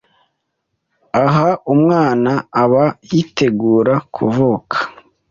Aha umwana aba yitegura kuvuka